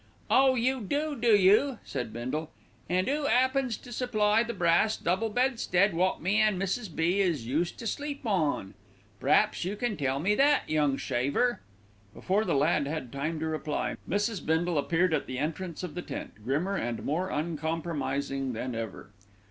"Oh! you do, do you?" said Bindle, "an' who 'appens to supply the brass double bedstead wot me and Mrs. B. is used to sleep on. P'raps you can tell me that, young shaver?" Before the lad had time to reply, Mrs. Bindle appeared at the entrance of the tent, grimmer and more uncompromising than ever.